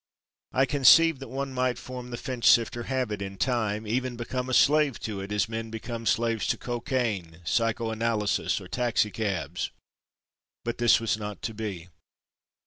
I conceived that one might form the Finchsifter habit, in time even become a slave to it as men become slaves to cocaine, Psychoanalysis, or Taxicabs. But this was not to be.